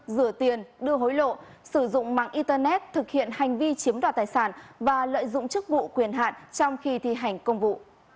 rửa tiền đưa hối lộ sử dụng mạng internet thực hiện hành vi chiếm đoạt tài sản và lợi dụng chức vụ quyền hạn trong khi thi hành công vụ